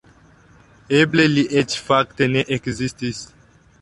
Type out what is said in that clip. Eble li eĉ fakte ne ekzistis.